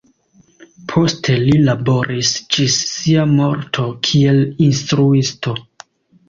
Poste li laboris ĝis sia morto kiel instruisto.